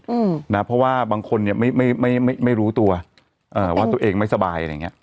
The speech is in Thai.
อืมนะเพราะว่าบางคนเนี้ยไม่ไม่ไม่ไม่รู้ตัวอ่าว่าตัวเองไม่สบายอะไรอย่างเงี้